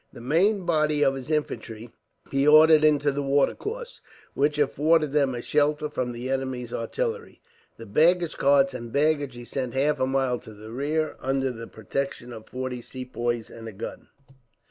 The main body of his infantry he ordered into the watercourse, which afforded them a shelter from the enemy's artillery. The baggage carts and baggage he sent half a mile to the rear, under the protection of forty Sepoys and a gun.